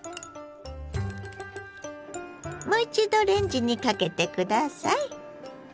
もう一度レンジにかけて下さい。